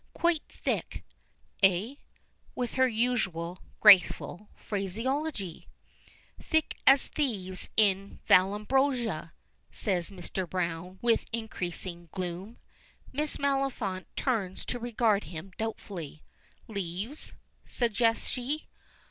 Quite thick, eh?" with her usual graceful phraseology. "Thick as thieves in Vallambrosa," says Mr. Browne with increasing gloom. Miss Maliphant turns to regard him doubtfully. "Leaves?" suggests she.